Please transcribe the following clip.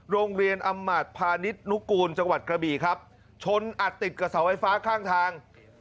โรงเรียนอำมาตพาณิชย์นุกูลจังหวัดกระบี่ครับชนอัดติดกับเสาไฟฟ้าข้างทาง